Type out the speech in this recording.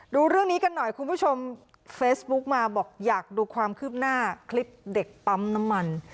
ดูเรื่องนี้กันหน่อยคุณผู้ชมเฟซบุ๊กมาบอกอยากดูความคืบหน้าคลิปเด็กปั๊มน้ำมัน